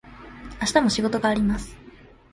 明日も仕事があります。